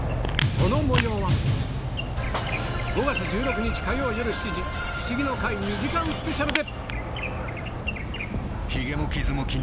その模様は５月１６日火曜よる７時『フシギの会』２時間スペシャルで！